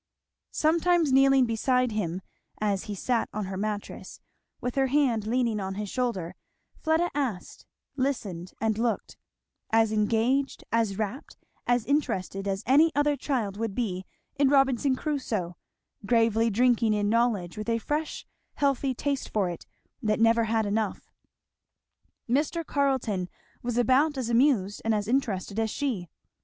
Sometimes kneeling beside him as he sat on her mattress, with her hand leaning on his shoulder, Fleda asked, listened, and looked; as engaged, as rapt, as interested, as another child would be in Robinson Crusoe, gravely drinking in knowledge with a fresh healthy taste for it that never had enough. Mr. Carleton was about as amused and as interested as she.